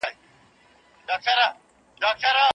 سختۍ به تا ته نوی درس درکړي.